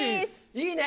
いいね。